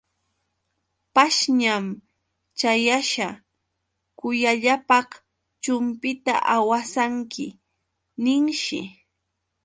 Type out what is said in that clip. Pashñaman ćhayasa: Kuyayllapaq chumpita awasanki, ninshi.